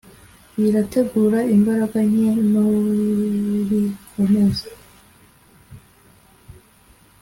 biragutera imbaraga nke nubikomeza